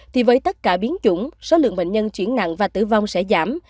thì với tất cả biến chủng số lượng bệnh nhân chuyển nặng và tử vong sẽ giảm